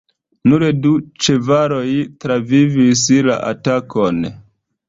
Nur du ĉevaloj travivis la atakon.